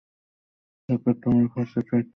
তারপর তোমরা ফর্সা সয়তানরা সেখানে যেয়ে ভেড়া ছেড়ে দিলে।